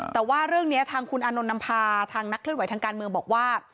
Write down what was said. แต่ว่าเรื่องนี้ทางคุณอานนท์นำพาทางนักเคลื่อนไหวทางการเมืองบอกว่า